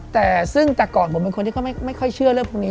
แต่ซึ่งแต่ก่อนผมเป็นคนที่เขาไม่ค่อยเชื่อเรื่องพวกนี้